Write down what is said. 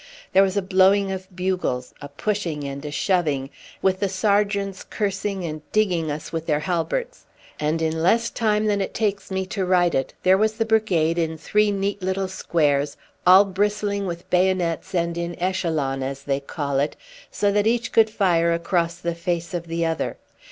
There was a blowing of bugles, a pushing and a shoving, with the sergeants cursing and digging us with their halberts; and in less time than it takes me to write it, there was the brigade in three neat little squares, all bristling with bayonets and in echelon, as they call it, so that each could fire across the face of the other.